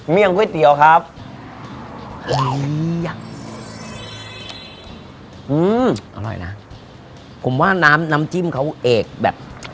เมี่ยงก๋วยเตี๋ยวครับอุ้ยอร่อยน่ะผมว่าน้ำน้ำจิ้มเขาเอกแบบ